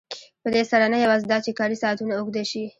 په دې سره نه یوازې دا چې کاري ساعتونه اوږده شي